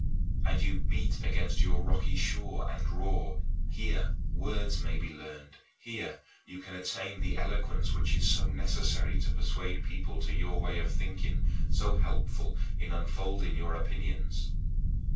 And you beat against your rocky shore and roar: "Here words may be learned; here you can attain the eloquence which is so necessary to persuade people to your way of thinking; so helpful in unfolding your opinions."